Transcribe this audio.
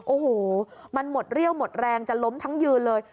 โอ้โหมันหมดเรี่ยวหมดแรงจะล้มทั้งยืนเลย